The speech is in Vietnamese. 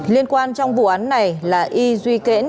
liên quan trong vụ án này là y duy kẽn